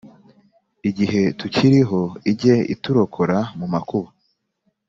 igihe tukiriho ijye iturokora mumakuba